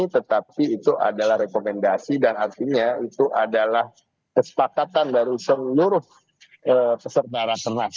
tetapi itu adalah rekomendasi dan artinya itu adalah kesepakatan baru seluruh peserta rakernas